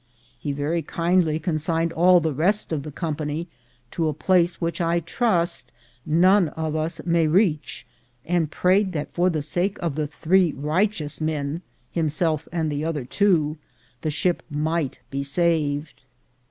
He very kindly consigned all the rest of the company to a place which I 'trust none of us may reach, and prayed that for the sake of the three righteous men — himself and the other two — the ship might be saved.